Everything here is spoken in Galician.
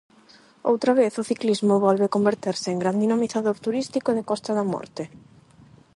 Outra vez o ciclismo volve converterse en gran dinamizador turístico da Costa da Morte.